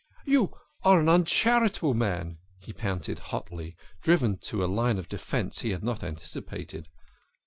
" You are an uncharitable man," he panted hotly, driven to a line of defence he had not anticipated.